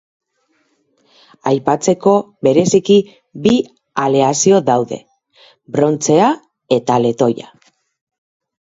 Aipatzeko bereziki bi aleazio daude: brontzea eta letoia.